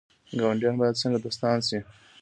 ګاونډیان باید څنګه دوستان شي؟